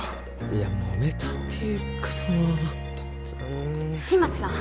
いやもめたっていうかその新町さん